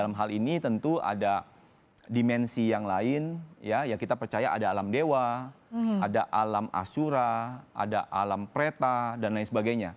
karena ini tentu ada dimensi yang lain ya kita percaya ada alam dewa ada alam asura ada alam preta dan lain sebagainya